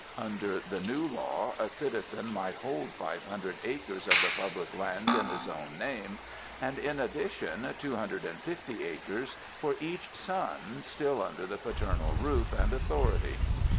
Under the new law a citizen might hold 500 acres of the public lands in his own name, and in addition, 250 acres for each son still under the paternal roof and authority.